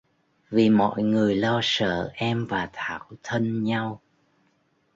vì mọi người lo sợ em và thảo thân nhau